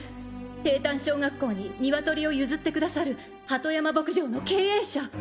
帝丹小学校にニワトリを譲って下さる鳩山牧場の経営者！